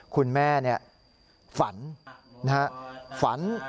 คุณแม่ฝัน